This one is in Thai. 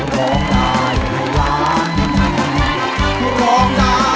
ร้องได้ให้ล้าน